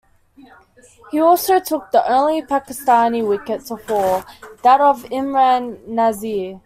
He also took the only Pakistani wicket to fall, that of Imran Nazir.